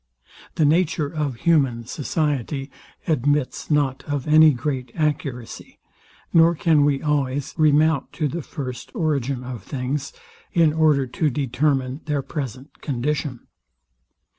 The nature of human society admits not of any great accuracy; nor can we always remount to the first origin of things, in order to determine their present condition.